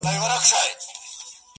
• اوس مي د كلي ماسومان ځوروي؛